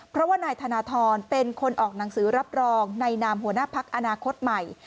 เพราะว่านายธนทรเป็นคนออกหนังสือรับรองในนามหัวหน้าพักอนาคตใหม่